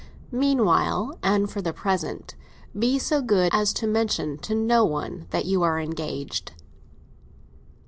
Meanwhile, and for the present, be so good as to mention to no one that you are engaged."